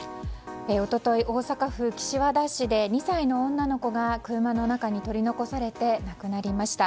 一昨日、大阪府岸和田市で２歳の女の子が車の中に取り残されて亡くなりました。